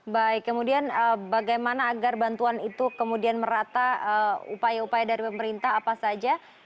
baik kemudian bagaimana agar bantuan itu kemudian merata upaya upaya dari pemerintah apa saja